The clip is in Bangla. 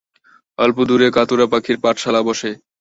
অল্প দূরে কাতোঁরা পাখির পাঠশালা বসে।